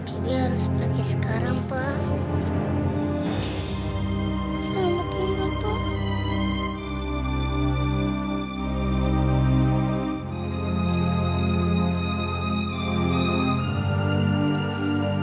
tidak seberapa rupaan